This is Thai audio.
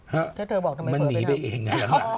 ห้ะมันหนีไปเองหลัง่ารักนะถ้าเธอบอกที้อะ